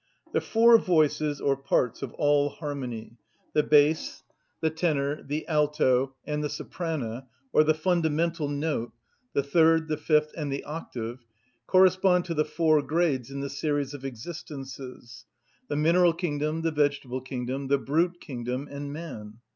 The four voices, or parts, of all harmony, the bass, the tenor, the alto, and the soprana, or the fundamental note, the third, the fifth, and the octave, correspond to the four grades in the series of existences, the mineral kingdom, the vegetable kingdom, the brute kingdom, and man.